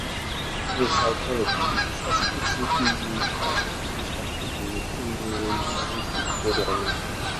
In psychology, it is explicitly used as a key strategy within neuro-linguistic programming.